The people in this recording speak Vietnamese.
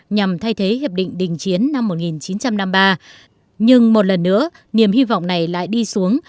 nhằm thay thế hiệp định đình chiến năm một nghìn chín trăm năm mươi ba nhưng một lần nữa niềm hy vọng này lại đi xuống